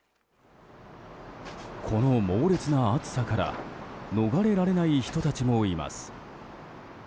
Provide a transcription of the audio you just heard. この猛烈な暑さから逃れられない人たちもいます。